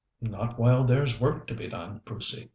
"Not while there's work to be done, Brucey.